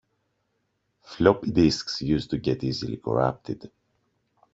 Floppy disks used to get easily corrupted.